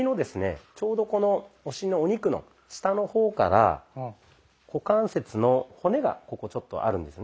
ちょうどこのお尻のお肉の下の方から股関節の骨がここちょっとあるんですね。